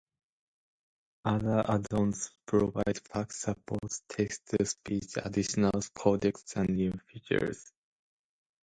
Other add-ons provide fax support, text-to-speech, additional codecs and new features.